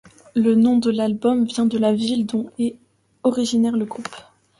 Le nom de l'album vient de la ville dont est originaire le groupe.